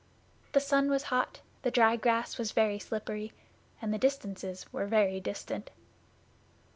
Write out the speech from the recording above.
The sun was hot, the dry grass was very slippery, and the distances were very distant.